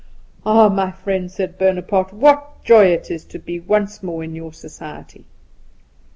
"Ah, my friend," said Bonaparte, "what joy it is to be once more in your society."